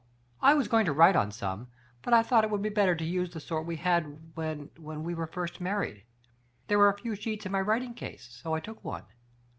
I was going to write on some, but I thought it would be better to use the sort we had when — when we were first married. There were a few sheets in my writing case, so I took one."